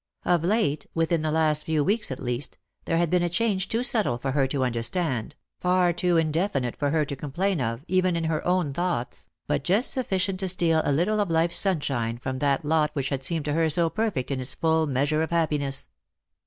Of late, within the last few weeks at least, there had been a change too subtle for her to understand, far too indefinite for her to complain of, even in her own thoughts, but just sufficient to steal a little of fife's sunshine from that lot which had seemed to her so perfect in its full measure of happiness.